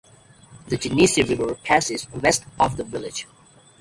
The Genesee River passes west of the village.